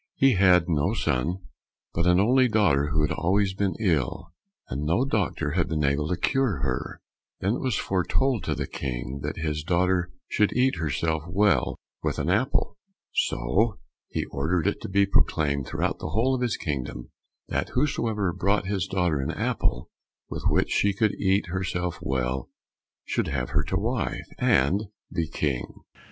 He had no son, but an only daughter who had always been ill, and no doctor had been able to cure her. Then it was foretold to the King that his daughter should eat herself well with an apple. So he ordered it to be proclaimed throughout the whole of his kingdom, that whosoever brought his daughter an apple with which she could eat herself well, should have her to wife, and be King.